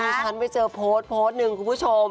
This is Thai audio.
ฉันไปเจอโพสต์โพสต์หนึ่งคุณผู้ชม